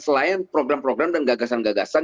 selain program program dan gagasan gagasan